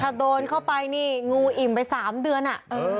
ถ้าโดนเข้าไปนี่งูอิ่มไป๓เดือนอ่ะ